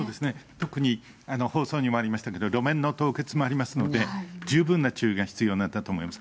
特に放送にもありましたけれども、路面の凍結もありますので、十分な注意が必要だと思います。